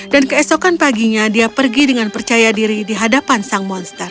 dan keesokan paginya dia pergi dengan percaya diri di hadapan sang monster